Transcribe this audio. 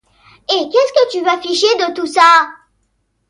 Hein? qu’est-ce que tu vas fiche de tout ça ?...